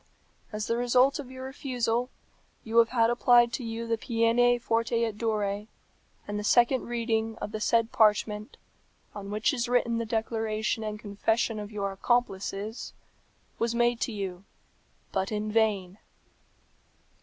As the result of your refusal, you have had applied to you the peine forte et dure; and the second reading of the said parchment, on which is written the declaration and confession of your accomplices, was made to you, but in vain.